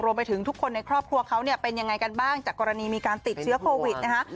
ไปถึงทุกคนในครอบครัวเขาเนี่ยเป็นยังไงกันบ้างจากกรณีมีการติดเชื้อโควิดนะคะ